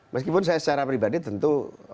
meskipun saya secara pribadi tentu